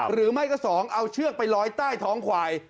หรือไม่ก็๒เอาเชือกไปลอยใต้ท้องควาย